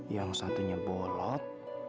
yang satunya bolot